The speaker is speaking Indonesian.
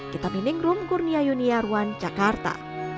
kita mending rum gurnia yuniarwan jakarta